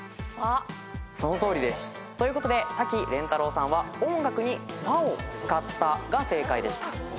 そのとおりです。ということで滝廉太郎さんは音楽にファを使ったが正解でした。